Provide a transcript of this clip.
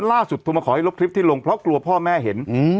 ล่าสุดที่มาขอให้ลบคลิปที่ลงเพราะกลัวพ่อแม่เห็นอืม